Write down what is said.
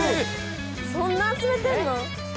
そんな集めてんの？